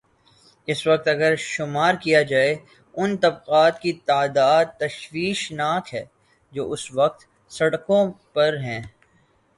اس وقت اگر شمارکیا جائے، ان طبقات کی تعداد تشویش ناک ہے جو اس وقت سڑکوں پر ہیں۔